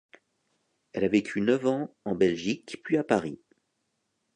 Elle a vécu neuf ans en Belgique puis à Paris.